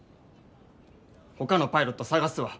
ほかのパイロット探すわ。